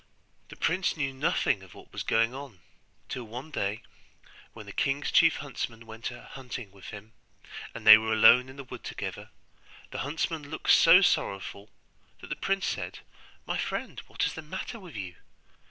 The prince knew nothing of what was going on, till one day, when the king's chief huntsmen went a hunting with him, and they were alone in the wood together, the huntsman looked so sorrowful that the prince said, 'My friend, what is the matter with you?